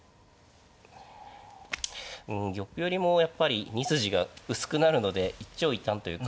うん玉寄りもやっぱり２筋が薄くなるので一長一短というか。